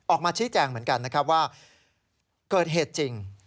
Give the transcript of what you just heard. ออกมาชี้แจงเหมือนกันนะครับว่าเกิดเหตุจริง